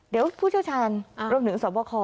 เดี๋ยวผู้เชี่ยวชาญรวมถึงสวบค